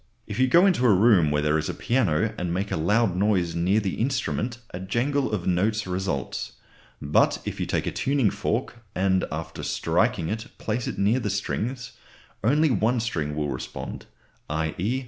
If you go into a room where there is a piano and make a loud noise near the instrument a jangle of notes results. But if you take a tuning fork and after striking it place it near the strings, only one string will respond, _i.e.